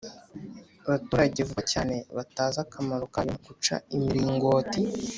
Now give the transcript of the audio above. baturage vuba cyane batazi akamaro kayo Guca imiringoti